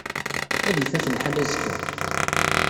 Ad ifat lḥal azekka.